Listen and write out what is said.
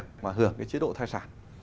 thứ hai là mức hưởng chế độ thai sản